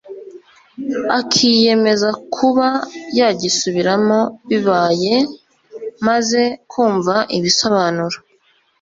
akiyemeza kuba yagisubiramo bibayemaze kumva ibisobanuro,